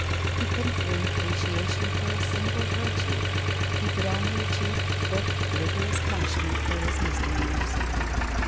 He couldn't win appreciation for a single virtue; he could only achieve quick, rigorous punishment for his misdemeanors.